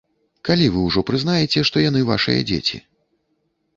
Калі вы ўжо прызнаеце, што яны вашыя дзеці?